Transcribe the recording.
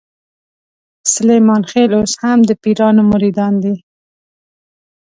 سلیمان خېل اوس هم د پیرانو مریدان دي.